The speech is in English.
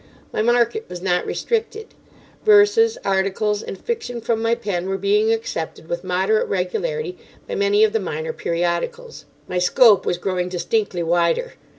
My market was not restricted. Verses, articles, and fiction from my pen were being accepted with moderate regularity by many of the minor periodicals. My scope was growing distinctly wider.